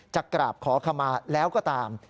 จะกราบขอขมาแล้วก็ตาม